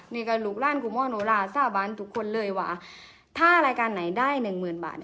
นี่ก็ลุกล่านกูม่อนูลาสาบานทุกคนเลยวะถ้ารายการไหนได้๑๐๐๐๐บาท